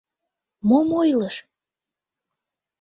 Мом ойлыш?